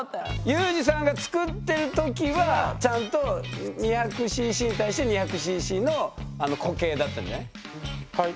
裕士さんが作ってる時はちゃんと２００ｃｃに対して２００ｃｃの固形だったんじゃない？